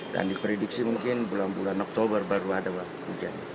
dan diprediksi mungkin bulan bulan oktober baru ada hujan